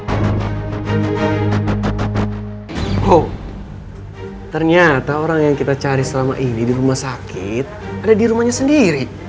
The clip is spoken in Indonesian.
oh ternyata orang yang kita cari selama ini di rumah sakit ada di rumahnya sendiri